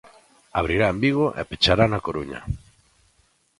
Abrirá en Vigo e pechará na Coruña.